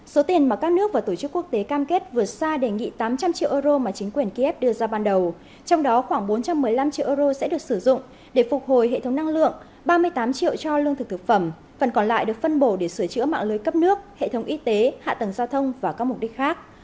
số tiền mà các nước và tổ chức quốc tế cam kết vượt xa đề nghị tám trăm linh triệu euro mà chính quyền kiev đưa ra ban đầu trong đó khoảng bốn trăm một mươi năm triệu euro sẽ được sử dụng để phục hồi hệ thống năng lượng ba mươi tám triệu cho lương thực thực phẩm phần còn lại được phân bổ để sửa chữa mạng lưới cấp nước hệ thống y tế hạ tầng giao thông và các mục đích khác